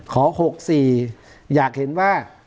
ขอ๖ซี่อยากเห็นว่า